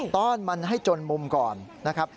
ต้อนมันให้จนมุมก่อนนะครับ